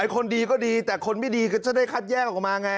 คนดีก็ดีแต่คนไม่ดีก็จะได้คัดแยกออกมาไง